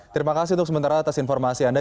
terima kasih untuk sementara atas informasi anda